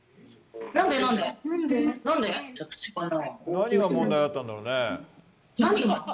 何が問題だったんだろうね。